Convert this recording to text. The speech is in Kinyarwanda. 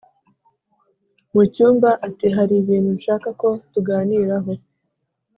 mucyumba ati"hari bintu nshaka ko tuganiraho"